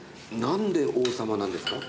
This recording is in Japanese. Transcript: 何で「王様」なんですか？